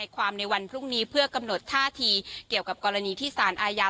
ความในวันพรุ่งนี้เพื่อกำหนดท่าทีเกี่ยวกับกรณีที่สารอาญา